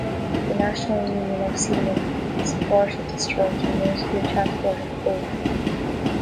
The National Union of Seamen supported the strike and limited the transport of coal.